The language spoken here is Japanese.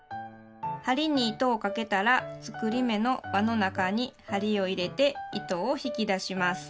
針に糸をかけたら作り目の「わ」の中に針を入れて糸を引き出します。